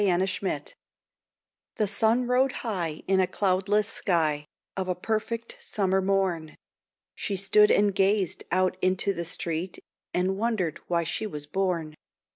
MEG'S CURSE The sun rode high in a cloudless sky Of a perfect summer morn. She stood and gazed out into the street, And wondered why she was born.